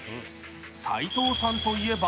斎藤さんといえば